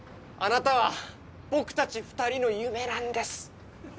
あなたは僕たち２人の夢なんです。